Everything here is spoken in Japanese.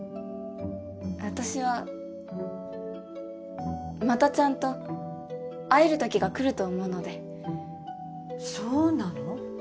私はまたちゃんと会えるときが来ると思うのでそうなの？